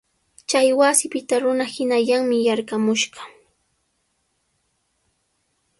Chay wasipita runa hinallanmi yarqamushqa.